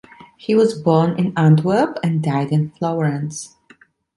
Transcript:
He was born in Antwerp and died in Florence.